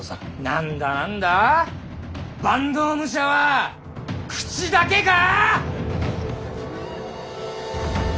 何だ何だ坂東武者は口だけか！